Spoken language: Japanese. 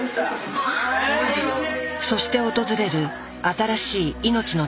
そして訪れる新しい命の誕生。